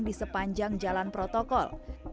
di sepanjang jalan protokol